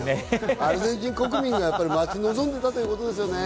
アルゼンチン国民が待ち望んでいたということですよね。